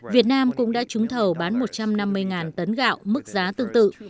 việt nam cũng đã trúng thầu bán một trăm năm mươi tấn gạo mức giá tương tự